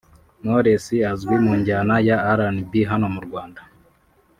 Knowless azwi mu njyana ya R’n’B hano mu Rwanda